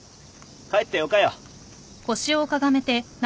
帰ってよかよ。